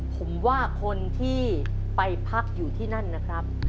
ผมว่าคนที่ไปพักอยู่ที่นั่นนะครับ